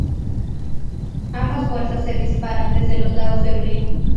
Ambas fuerzas se disparan desde los lados del río.